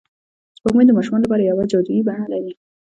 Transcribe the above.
سپوږمۍ د ماشومانو لپاره یوه جادويي بڼه لري